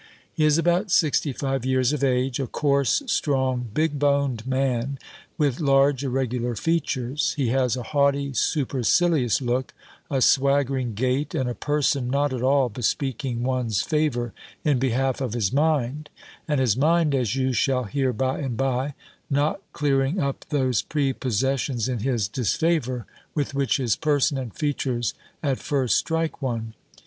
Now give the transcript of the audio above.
He is about sixty five years of age, a coarse, strong, big boned man, with large irregular features; he has a haughty supercilious look, a swaggering gait, and a person not at all bespeaking one's favour in behalf of his mind; and his mind, as you shall hear by and bye, not clearing up those prepossessions in his disfavour, with which his person and features at first strike one.